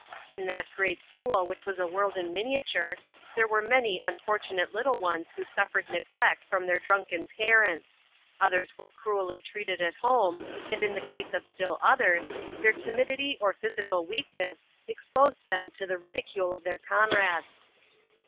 In that great school which was a world in miniature, there were many unfortunate little ones who suffered neglect from their drunken parents; others were cruelly treated at home, and in the case of still others, their timidity or physical weakness exposed them to the ridicule of their comrades.